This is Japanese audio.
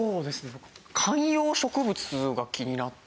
僕観葉植物が気になって。